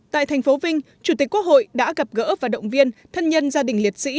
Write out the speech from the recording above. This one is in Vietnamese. tại tp vinh chủ tịch quốc hội đã gặp gỡ và động viên thân nhân gia đình liệt sĩ